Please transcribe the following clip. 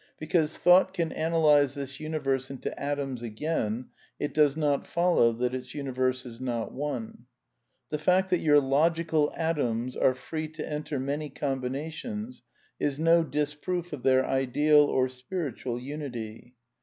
Because thought can analyse this universe into atoms again, it does not follow that its universe is not one. The fact that your logical atoms are free to enter many combinations is no disproof of their ideal or spiritual unity.